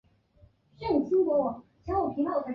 尖腹园蛛为园蛛科园蛛属的动物。